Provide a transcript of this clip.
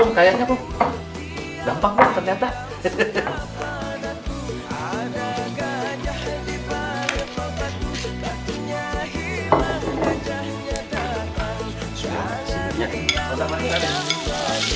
udah tuh kayanya